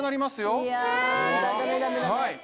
えっいやダメダメダメ